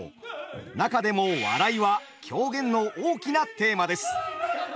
中でも「笑い」は狂言の大きなテーマです。